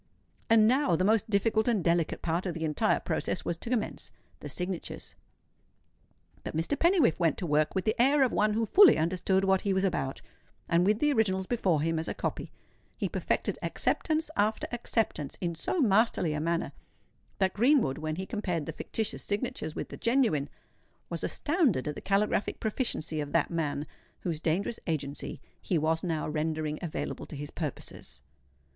And now the most difficult and delicate part of the entire process was to commence—the signatures. But Mr. Pennywhiffe went to work with the air of one who fully understood what he was about; and with the originals before him as a copy, he perfected acceptance after acceptance in so masterly a manner, that Greenwood, when he compared the fictitious signatures with the genuine, was astounded at the caligraphic proficiency of that man whose dangerous agency he was now rendering available to his purposes.